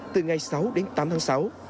từ ngày sáu đến tám tháng sáu